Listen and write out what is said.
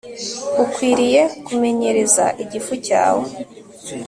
ukwiriye kumenyereza igifu cyawe